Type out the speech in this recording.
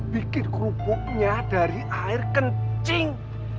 bikin kerupuknya dari air kencing